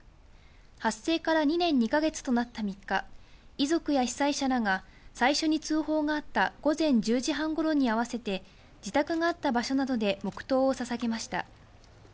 発生から２年２か月となった３日、遺族や被災者らが最初に通報があった午前１０時半ごろに合わせて、自宅があった場所などで黙とうをささげました。